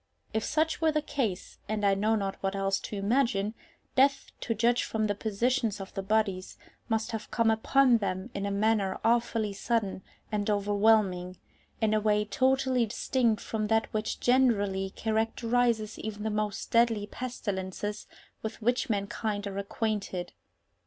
If such were the case (and I know not what else to imagine), death, to judge from the positions of the bodies, must have come upon them in a manner awfully sudden and overwhelming, in a way totally distinct from that which generally characterizes even the most deadly pestilences with which mankind are acquainted.